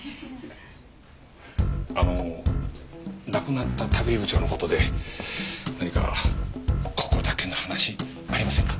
あの亡くなった田部井部長の事で何かここだけの話ありませんか？